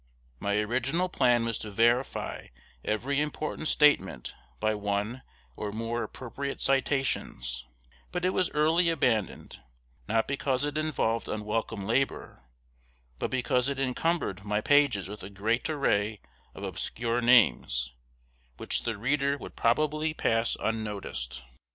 My original plan was to verify every important statement by one or more appropriate citations; but it was early abandoned, not because it involved unwelcome labor, but because it encumbered my pages with a great array of obscure names, which the reader would probably pass unnoticed.